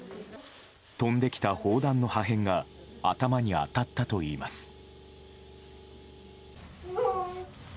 飛んできた砲弾の破片が頭に当たったといいます。